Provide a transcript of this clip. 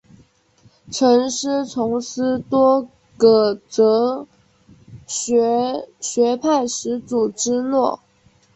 曾师从斯多噶哲学学派始祖芝诺。